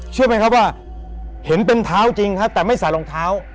เชื่อไหมครับว่าเห็นเป็นเท้าจริงครับแต่ไม่ใส่รองเท้า